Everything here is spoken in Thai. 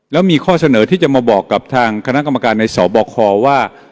แล้วมีข้อเสนอที่จะมาบอกกับทางคณะกรรมการในสบคว่า